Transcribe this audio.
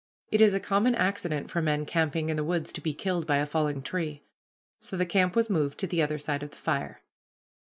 It is a common accident for men camping in the woods to be killed by a falling tree. So the camp was moved to the other side of the fire.